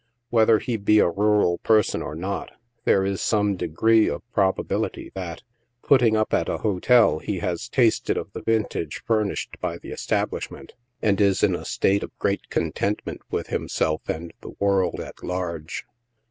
Whether he be a rural person or not, there is some degree of probability that, putting up at a hotel, he has tasted of the vintage furnished by the establishment, and is in a state of great contentment with himself and the world at large.